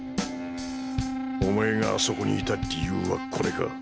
お前があそこにいた理由はこれか？